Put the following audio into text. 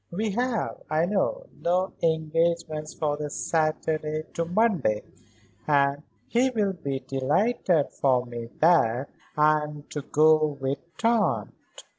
"We have, I know, no engagements for this Saturday to Monday, and he will be delighted for me that I am to go with Tante."